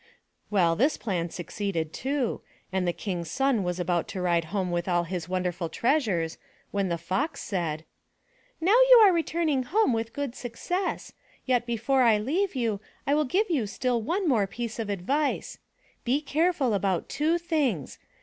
Well, this plan succeeded, too, and the King's son was about to ride home with all his wonderful treasures, when the Fox said: 298 THROUGH FAIRY HALLS Now you are returning home with good success, yet before I leave you, I will give you still one more piece of advice. Be careful about two things.